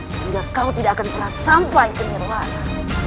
sehingga kau tidak akan pernah sampai ke nirwana